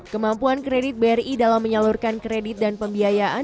kemampuan kredit bri dalam menyalurkan kredit dan pembiayaan